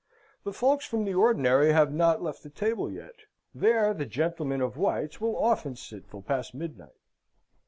The folks from the ordinary have not left the table yet. There the gentlemen of White's will often sit till past midnight.